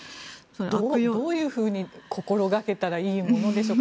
どういうふうに心掛けたらいいものでしょうか。